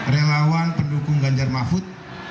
relawan pendukung ganjar mahfud